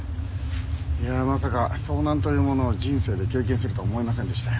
いやまさか遭難というものを人生で経験するとは思いませんでしたよ。